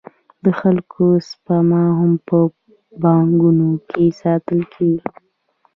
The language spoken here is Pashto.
د خلکو سپما هم په بانکونو کې ساتل کېږي